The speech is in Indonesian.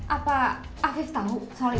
apa afif tahu soal ini